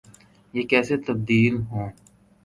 یہ کیسے تبدیل ہوں۔